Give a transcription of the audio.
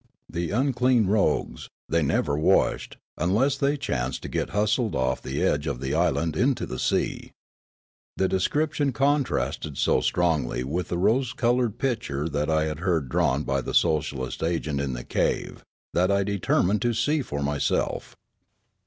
The unclean rogues, they never washed, unless they chanced to get hustled off the edge of the island into the sea. The description contrasted so strongly with the rose coloured picture that I had heard drawn by the socialist agent in the cave that I determined to see for myself.